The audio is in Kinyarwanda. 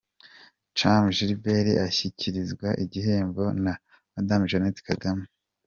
Chumba Gilbert ashyikirizwa igihembo na Madame Jeannette Kagame.